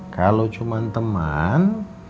kalo cuman teman